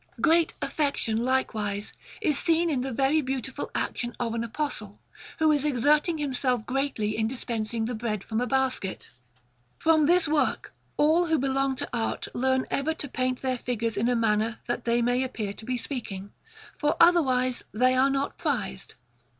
Great affection, likewise, is seen in the very beautiful action of an Apostle, who is exerting himself greatly in dispensing the bread from a basket. From this work all who belong to art learn ever to paint their figures in a manner that they may appear to be speaking, for otherwise they are not prized.